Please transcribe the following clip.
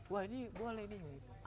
wah ini boleh nih